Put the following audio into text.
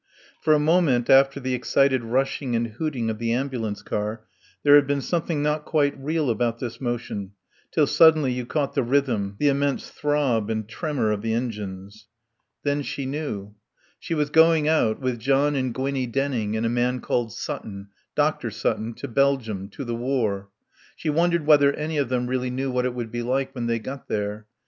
For a moment, after the excited rushing and hooting of the ambulance car, there had been something not quite real about this motion, till suddenly you caught the rhythm, the immense throb and tremor of the engines. Then she knew. She was going out, with John and Gwinnie Denning and a man called Sutton, Dr. Sutton, to Belgium, to the War. She wondered whether any of them really knew what it would be like when they got there.